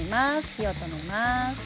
火を止めます。